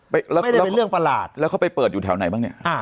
ไปไม่ได้เป็นเรื่องประหลาดแล้วเขาไปเปิดอยู่แถวไหนบ้างเนี้ยอ่า